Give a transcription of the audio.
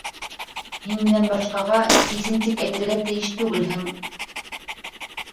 Һин минән башҡаға «сисен» тип әйтергә тейеш түгел һең!